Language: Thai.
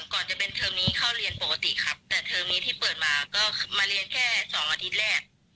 ก่อนจะเป็นเทอมนี้เข้าเรียนปกติครับแต่เทอมนี้ที่เปิดมาก็มาเรียนแค่สองอาทิตย์แรก